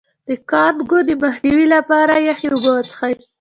د کانګو د مخنیوي لپاره یخې اوبه وڅښئ